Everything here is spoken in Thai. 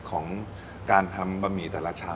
ของการทำบะหมี่แต่ละชาม